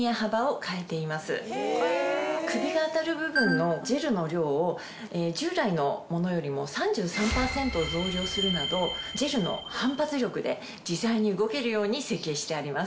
首が当たる部分のジェルの量を従来のものよりも３３％増量するなどジェルの反発力で自在に動けるように設計してあります。